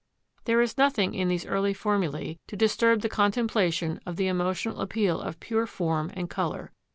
There is nothing in these early formulae to disturb the contemplation of the emotional appeal of pure form and colour.